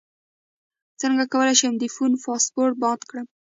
څنګه کولی شم د فون پاسورډ مات کړم